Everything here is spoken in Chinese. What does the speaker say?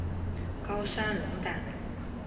高山龙胆